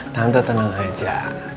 tante tenang aja